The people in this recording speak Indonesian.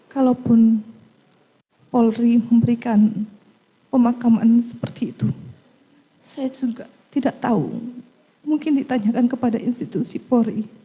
kalaupun polri memberikan pemakaman seperti itu saya juga tidak tahu mungkin ditanyakan kepada institusi polri